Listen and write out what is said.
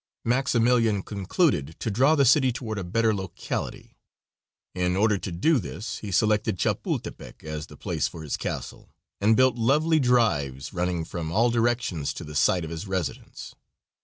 Maximilian concluded to draw the city toward a better locality. In order to do this he selected Chapultepec as the place for his castle, and built lovely drives running from all directions to the site of his residence.